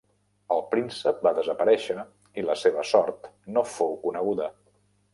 El príncep va desaparèixer i la seva sort no fou coneguda.